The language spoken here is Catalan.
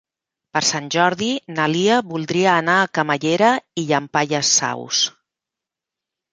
Per Sant Jordi na Lia voldria anar a Camallera i Llampaies Saus.